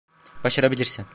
Başarabilirsin.